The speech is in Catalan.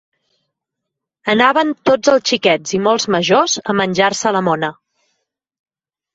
Anaven tots els xiquets i molts majors a menjar-se la mona.